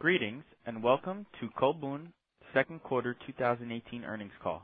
Greetings, welcome to Colbún Second Quarter 2018 earnings call.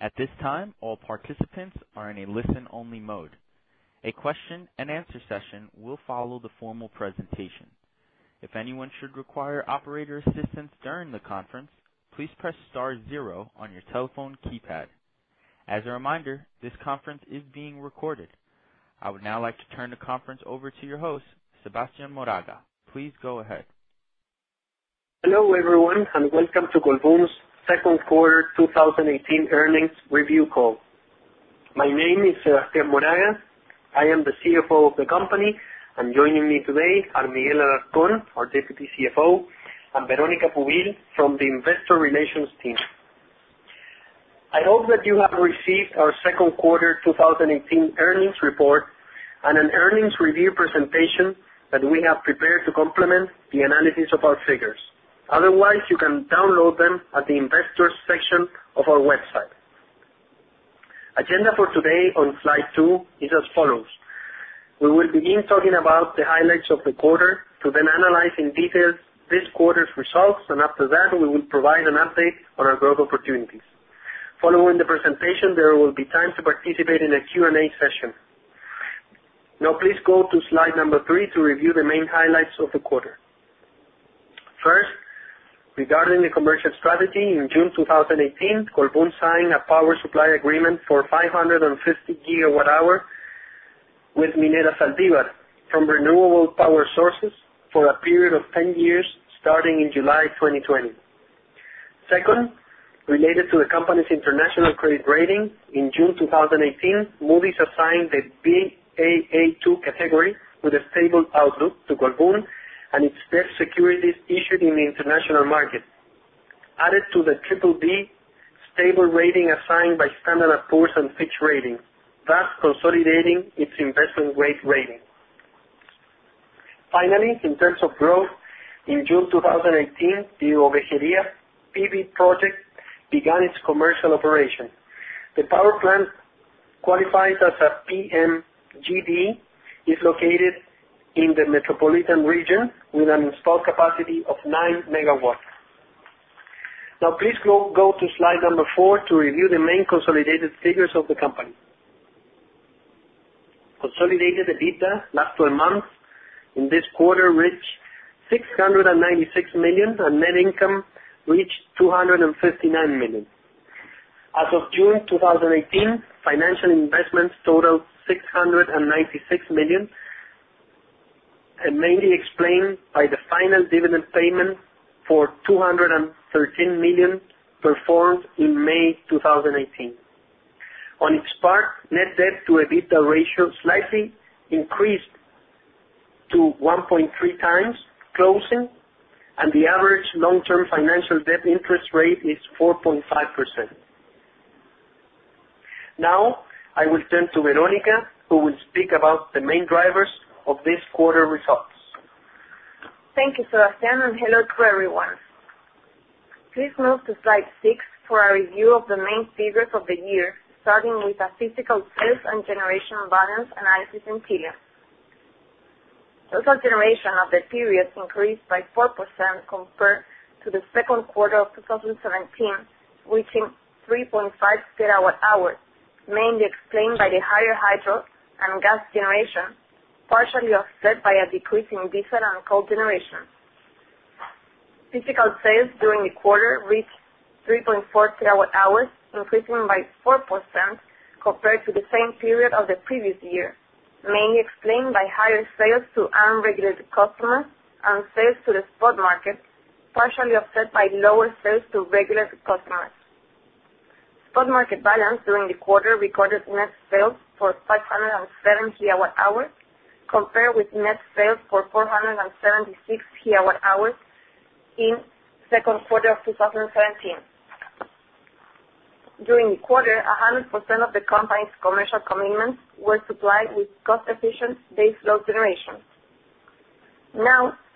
At this time, all participants are in a listen-only mode. A question-and-answer session will follow the formal presentation. If anyone should require operator assistance during the conference, please press star zero on your telephone keypad. As a reminder, this conference is being recorded. I would now like to turn the conference over to your host, Sebastián Moraga. Please go ahead. Hello, everyone, welcome to Colbún's Second Quarter 2018 earnings review call. My name is Sebastián Moraga. I am the CFO of the company. Joining me today are Miguel Alarcón, our Deputy CFO, and Verónica from the investor relations team. I hope that you have received our Second Quarter 2018 earnings report and an earnings review presentation that we have prepared to complement the analysis of our figures. Otherwise, you can download them at the investors section of our website. Agenda for today on slide two is as follows. We will begin talking about the highlights of the quarter to analyze in detail this quarter's results. After that, we will provide an update on our growth opportunities. Following the presentation, there will be time to participate in a Q&A session. Now, please go to slide number three to review the main highlights of the quarter. First, regarding the commercial strategy, in June 2018, Colbún signed a power supply agreement for 550 gigawatt-hour with Minera Zaldívar from renewable power sources for a period of 10 years starting in July 2020. Second, related to the company's international credit rating, in June 2018, Moody's assigned a Baa2 category with a stable outlook to Colbún and its debt securities issued in the international market. Added to the triple B stable rating assigned by Standard & Poor's and Fitch Ratings, thus consolidating its investment grade rating. Finally, in terms of growth, in June 2018, the Ovejería PV project began its commercial operation. The power plant qualifies as a PMGD, is located in the metropolitan region with an installed capacity of nine megawatts. Now, please go to slide number four to review the main consolidated figures of the company. Consolidated EBITDA last 12 months in this quarter reached $696 million, net income reached $259 million. As of June 2018, financial investments total $696 million, mainly explained by the final dividend payment for $213 million performed in May 2018. On its part, net debt to EBITDA ratio slightly increased to 1.3 times closing, the average long-term financial debt interest rate is 4.5%. Now, I will turn to Verónica, who will speak about the main drivers of this quarter results. Thank you, Sebastián, and hello to everyone. Please move to slide six for a review of the main figures of the year, starting with a physical sales and generation balance analysis in Chile. Total generation of the period increased by 4% compared to the second quarter of 2017, reaching 3.5 terawatt hours, mainly explained by the higher hydro and gas generation, partially offset by a decrease in diesel and coal generation. Physical sales during the quarter reached 3.4 terawatt hours, increasing by 4% compared to the same period of the previous year, mainly explained by higher sales to unregulated customers and sales to the spot market, partially offset by lower sales to regulated customers. Spot market balance during the quarter recorded net sales for 507 gigawatt hours compared with net sales for 476 gigawatt hours in second quarter of 2017. During the quarter, 100% of the company's commercial commitments were supplied with cost-efficient base load generation.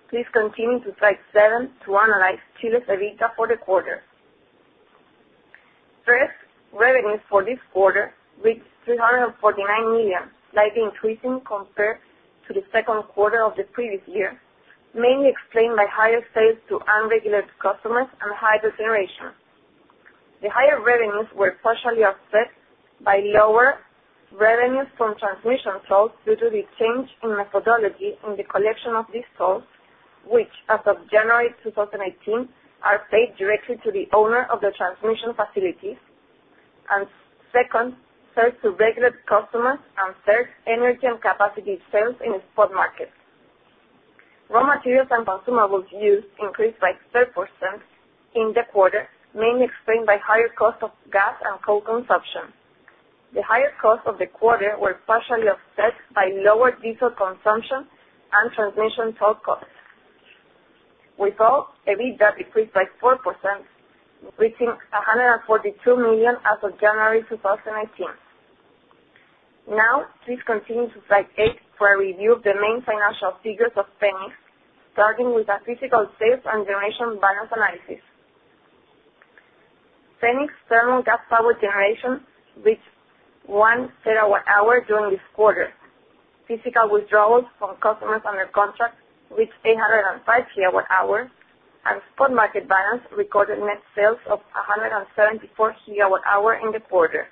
Please continue to slide seven to analyze Chile's EBITDA for the quarter. First, revenues for this quarter reached $349 million, slightly increasing compared to the second quarter of the previous year, mainly explained by higher sales to unregulated customers and higher generation. The higher revenues were partially offset by lower revenues from transmission tolls due to the change in methodology in the collection of these tolls, which, as of January 2018, are paid directly to the owner of the transmission facilities. Second, sales to regulated customers and third, energy and capacity sales in spot markets. Raw materials and consumables used increased by 3% in the quarter, mainly explained by higher cost of gas and coal consumption. The higher costs of the quarter were partially offset by lower diesel consumption and transmission toll costs. With all, EBITDA decreased by 4%, reaching $142 million as of January 2018. Please continue to slide eight for a review of the main financial figures of Fenix, starting with a physical sales and generation balance analysis. Fenix thermal gas power generation reached one gigawatt hour during this quarter. Physical withdrawals from customers under contract reached 805 gigawatt hours, and spot market balance recorded net sales of 174 gigawatt hours in the quarter.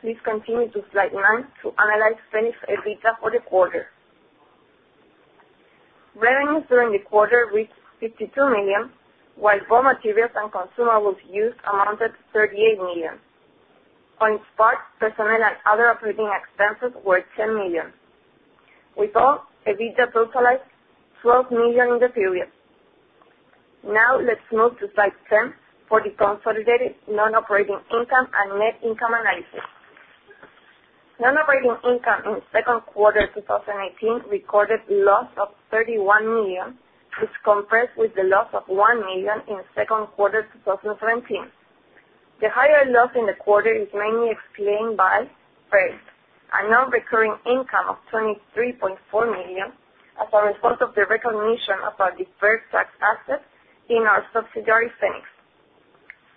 Please continue to slide nine to analyze Fenix EBITDA for the quarter. Revenues during the quarter reached $52 million, while raw materials and consumables used amounted to $38 million. On its part, personnel and other operating expenses were $10 million. With all, EBITDA totalized $12 million in the period. Let's move to slide 10 for the consolidated non-operating income and net income analysis. Non-operating income in second quarter 2018 recorded loss of $31 million, which compares with the loss of $1 million in second quarter 2017. The higher loss in the quarter is mainly explained by, first, a non-recurring income of $23.4 million as a result of the recognition of our deferred tax asset in our subsidiary, Fenix.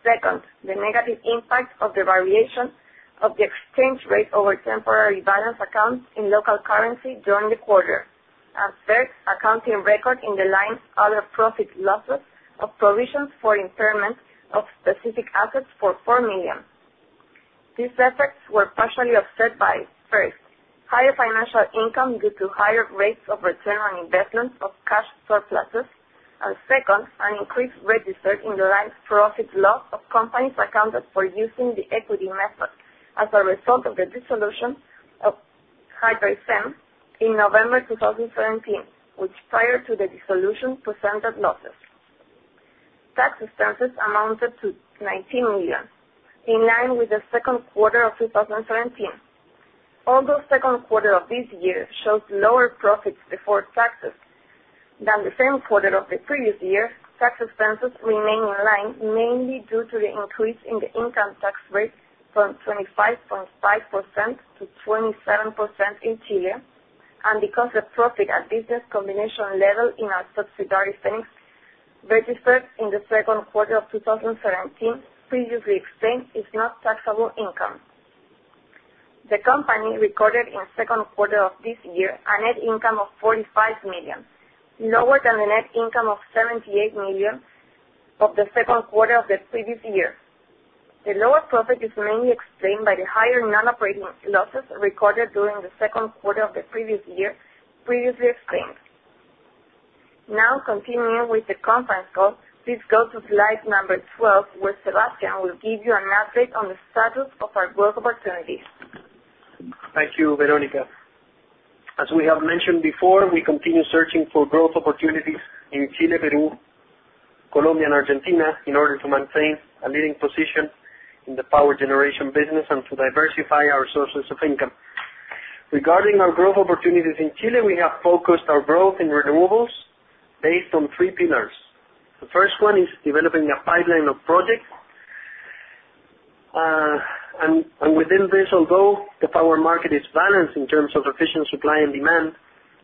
Second, the negative impact of the variation of the exchange rate over temporary balance accounts in local currency during the quarter. Third, accounting record in the line other profit losses of provisions for impairment of specific assets for $4 million. These effects were partially offset by, first, higher financial income due to higher rates of return on investment of cash surpluses. Second, an increase registered in the line profit loss of companies accounted for using the equity method as a result of the dissolution of HidroAysén in November 2017, which prior to the dissolution, presented losses. Tax expenses amounted to $19 million, in line with the second quarter of 2017. Although second quarter of this year shows lower profits before taxes than the same quarter of the previous year, tax expenses remain in line, mainly due to the increase in the income tax rate from 25.5% to 27% in Chile, and because the profit at business combination level in our subsidiary, Fenix, registered in the second quarter of 2017, previously explained, is not taxable income. The company recorded in second quarter of this year a net income of $45 million, lower than the net income of $78 million of the second quarter of the previous year. The lower profit is mainly explained by the higher non-operating losses recorded during the second quarter of the previous year, previously explained. Continuing with the conference call, please go to slide number 12, where Sebastián will give you an update on the status of our growth opportunities. Thank you, Verónica. As we have mentioned before, we continue searching for growth opportunities in Chile, Peru, Colombia, and Argentina in order to maintain a leading position in the power generation business and to diversify our sources of income. Regarding our growth opportunities in Chile, we have focused our growth in renewables based on three pillars. The first one is developing a pipeline of projects. Within this goal, the power market is balanced in terms of efficient supply and demand.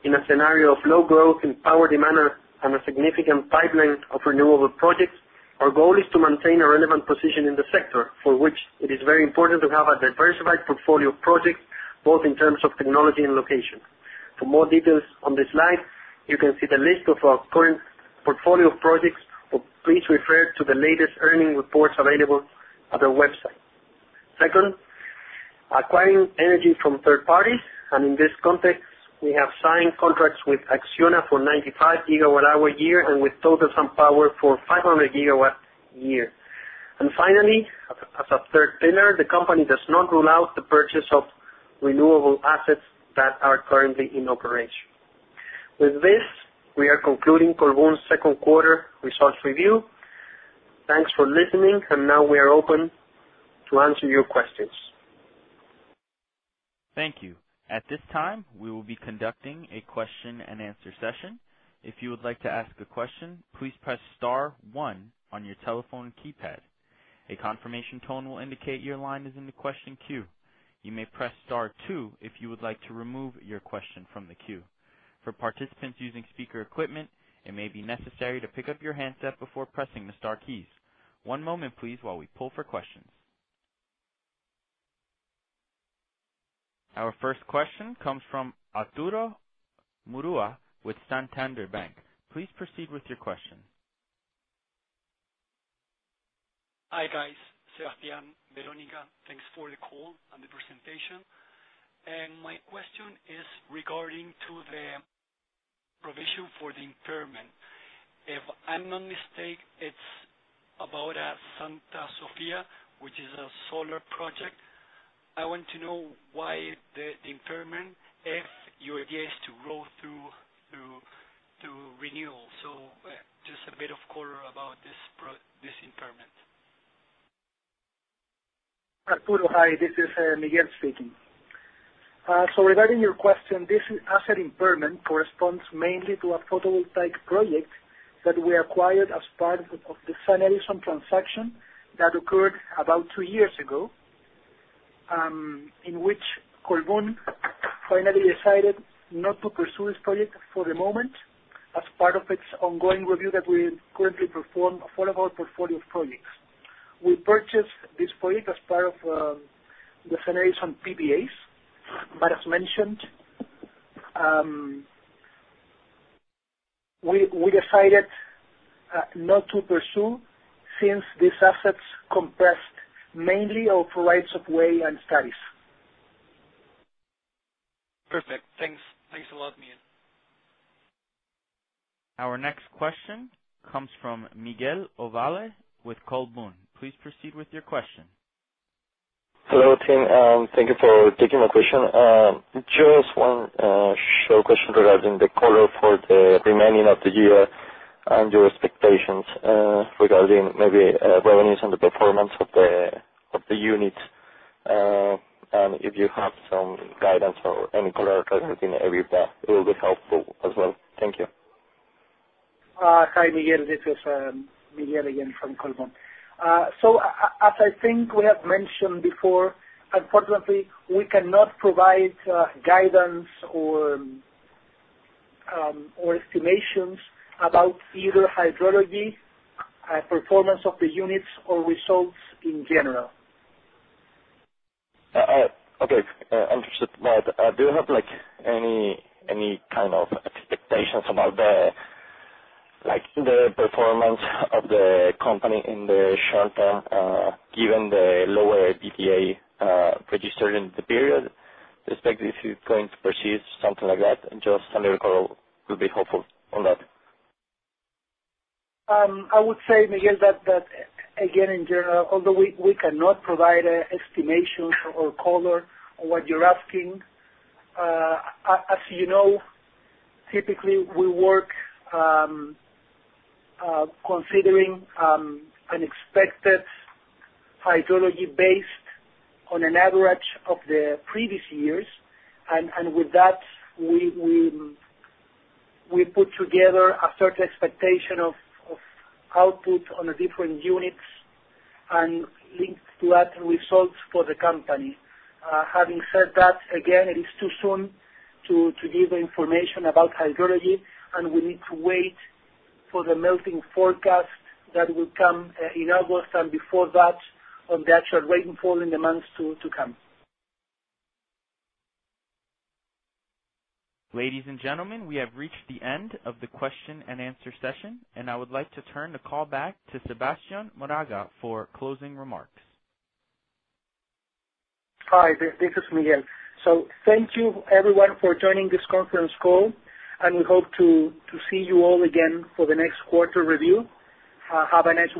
In a scenario of low growth in power demand and a significant pipeline of renewable projects, our goal is to maintain a relevant position in the sector, for which it is very important to have a diversified portfolio of projects, both in terms of technology and location. For more details on this slide, you can see the list of our current portfolio of projects, or please refer to the latest earning reports available at our website. Second, acquiring energy from third parties. In this context, we have signed contracts with Acciona for 95 gigawatt-hour a year, and with Total SunPower for 500 gigawatts a year. Finally, as a third pillar, the company does not rule out the purchase of renewable assets that are currently in operation. With this, we are concluding Colbún's second quarter results review. Thanks for listening. Now we are open to answer your questions. Thank you. At this time, we will be conducting a question and answer session. If you would like to ask a question, please press star one on your telephone keypad. A confirmation tone will indicate your line is in the question queue. You may press star two if you would like to remove your question from the queue. For participants using speaker equipment, it may be necessary to pick up your handset before pressing the star keys. One moment, please, while we pull for questions. Our first question comes from Arturo Murúa with Banco Santander. Please proceed with your question. Hi, guys. Sebastián, Verónica, thanks for the call and the presentation. My question is regarding to the provision for the impairment. If I'm not mistake, it's about Santa Sofía, which is a solar project. I want to know why the impairment, if your idea is to go through [renewables]. Just a bit of color about this impairment. Arturo, hi. This is Miguel speaking. Regarding your question, this asset impairment corresponds mainly to a photovoltaic project that we acquired as part of the SunEdison transaction that occurred about two years ago. In which Colbún finally decided not to pursue this project for the moment as part of its ongoing review that we currently perform for all of our portfolio of projects. We purchased this project as part of the generation PPAs. As mentioned, we decided not to pursue since these assets comprised mainly of rights of way and studies. Perfect. Thanks a lot, Miguel. Our next question comes from Miguel Ovalle with CRISIL. Please proceed with your question. Hello, team. Thank you for taking my question. Just one short question regarding the quarter for the remaining of the year and your expectations regarding maybe revenues and the performance of the units. If you have some guidance or any color regarding Angostura, it will be helpful as well. Thank you. Hi, Miguel. This is Miguel again from Colbún. As I think we have mentioned before, unfortunately, we cannot provide guidance or estimations about either hydrology, performance of the units, or results in general. Okay. Understood. Do you have any kind of expectations about the performance of the company in the short term, given the lower EPS registered in the period? Especially if you're going to proceed, something like that, just any recall will be helpful on that. I would say, Miguel, that again, in general, although we cannot provide an estimation or color on what you're asking. As you know, typically, we work considering an expected hydrology based on an average of the previous years. With that, we put together a certain expectation of output on the different units and link to that results for the company. Having said that, again, it is too soon to give information about hydrology, and we need to wait for the melting forecast that will come in August and before that on the actual rainfall in the months to come. Ladies and gentlemen, we have reached the end of the question and answer session, and I would like to turn the call back to Sebastián Moraga for closing remarks. Hi, this is Miguel. Thank you everyone for joining this conference call, and we hope to see you all again for the next quarter review. Have a nice week.